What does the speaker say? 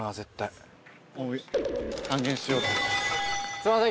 すいません。